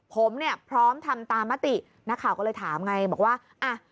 ผมพร้อมทำตามตินักข่าก็เลยถามไงบอกว่า